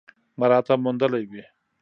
مراعات هم موندلي وي ۔